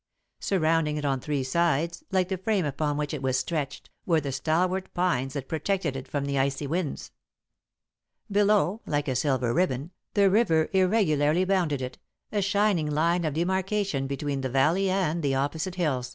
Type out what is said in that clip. Surrounding it on three sides, like the frame upon which it was stretched, were the stalwart pines that protected it from the icy winds. Below, like a silver ribbon, the river irregularly bounded it, a shining line of demarcation between the valley and the opposite hills.